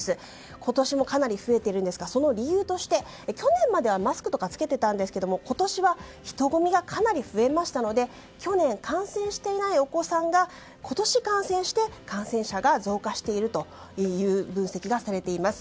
今年もかなり増えているんですがその理由として、去年まではマスクを着けていたんですが今年は人混みがかなり増えましたので去年感染していないお子さんが今年、感染して感染者が増加しているという分析がされています。